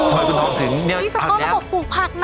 เฉพาะระบบปลูกผักนะ